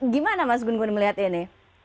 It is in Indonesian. gimana mas bungun melihat ini